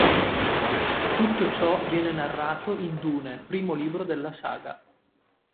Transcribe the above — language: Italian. Tutto ciò viene narrato in "Dune", primo libro della saga.